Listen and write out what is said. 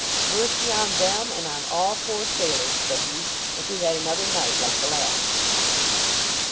Mercy on them, and on all poor sailors, said he, if we had another night like the last!